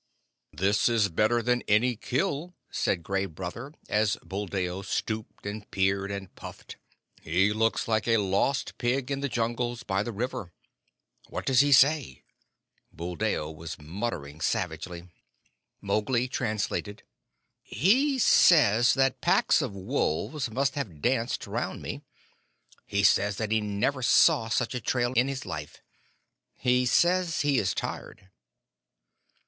] "This is better than any kill," said Gray Brother, as Buldeo stooped and peered and puffed. "He looks like a lost pig in the Jungles by the river. What does he say?" Buldeo was muttering savagely. Mowgli translated. "He says that packs of wolves must have danced round me. He says that he never saw such a trail in his life. He says he is tired."